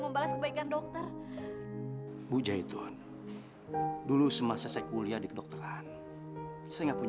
untuk ngebales semua kebaikan ibu